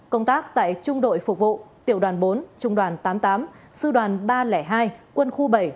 công tác tại trung đội phục vụ tiểu đoàn bốn trung đoàn tám mươi tám sư đoàn ba trăm linh hai quân khu bảy